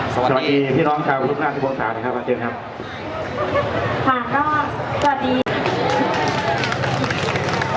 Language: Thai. สวัสดีพี่ร้องเช้าลูกร่านที่โปรสาทครับอาเจนครับ